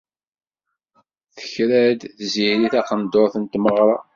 Tekra-d Tiziri taqendurt n tmeɣra.